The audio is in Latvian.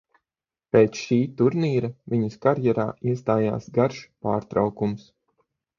Pēc šī turnīra viņas karjerā iestājās garš pārtraukums.